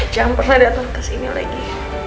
jangan pernah dateng kesini lagi